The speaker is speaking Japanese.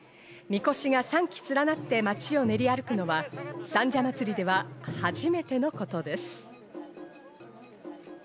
みこしが３基連なって街を練り歩くのは三社祭では初めてのことです。